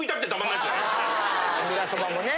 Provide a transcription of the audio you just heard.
ニラそばもね。